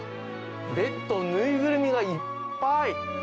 ベッド、縫いぐるみがいっぱい。